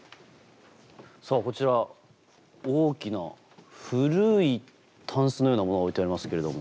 さあこちら大きな古い箪笥のようなものが置いてありますけれども。